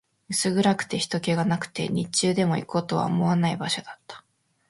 薄暗くて、人気がなくて、日中でも行こうとは思わない場所だった